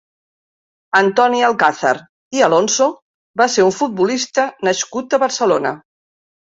Antoni Alcázar i Alonso va ser un futbolista nascut a Barcelona.